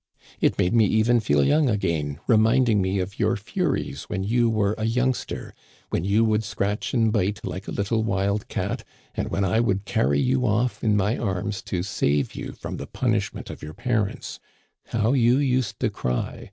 It made me even feel young again, reminding me of your furies when you were a youngster — when you would scratch and bite like a little wild cat, and when I would carry you off in my arms to save you from the punishment of your par ents. How you used to cry!